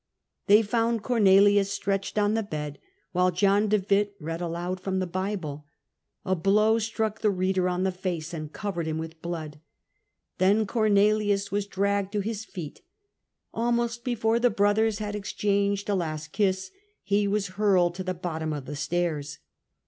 They found Cornelius stretched on the bed, while John de Witt read aloud from the Bible. A blow struck the reader on the face and covered him with blood. Then Cornelius was dragged to his feet. Almost before the brothers had exchanged a last kiss he was hurled to the bottom of the stairs.